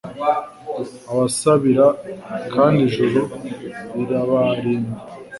abasabira kandi Ijuru rirabarinda